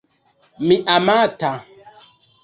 Mi amata